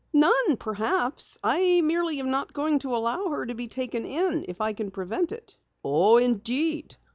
"None, perhaps. I merely am not going to allow her to be taken in if I can prevent it!" "Oh, indeed.